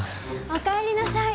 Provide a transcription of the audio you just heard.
お帰りなさい！